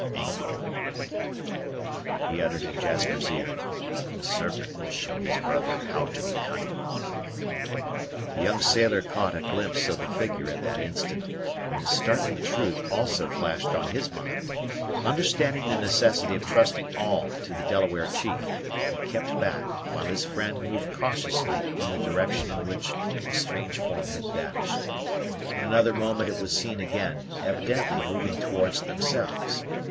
"Mingo!" he uttered in Jasper's ear. "The Serpent will show his brother how to be cunning." The young sailor caught a glimpse of the figure at that instant, and the startling truth also flashed on his mind. Understanding the necessity of trusting all to the Delaware chief, he kept back, while his friend moved cautiously in the direction in which the strange form had vanished. In another moment it was seen again, evidently moving towards themselves.